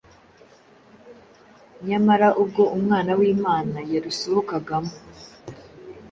nyamara ubwo Umwana w’Imana yarusohokagamo,